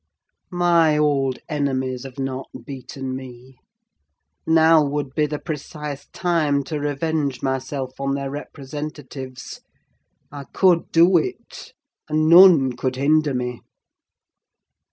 My old enemies have not beaten me; now would be the precise time to revenge myself on their representatives: I could do it; and none could hinder me.